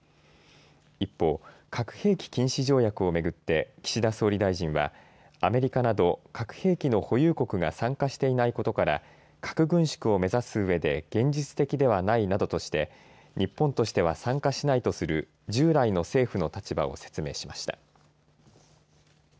一方、核兵器禁止条約を巡って岸田総理大臣はアメリカなど核兵器の保有国が参加していないことから核軍縮を目指すうえで現実的ではないなどとして日本としては参加しないとする従来の政府の立場を説明しました。